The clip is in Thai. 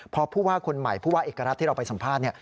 พอผู้ว่าคนใหม่ผู้ว่าเอกรัฐที่เราไปสัมภาษณ์